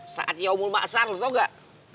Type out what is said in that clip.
saat ia umur maksar lo tau gak